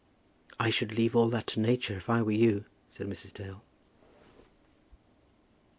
"I should leave all that to Nature, if I were you," said Mrs. Dale.